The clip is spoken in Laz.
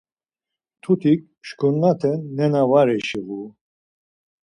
Mtutik şkurnaten nena var eşiğu.